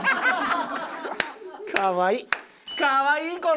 かわいい。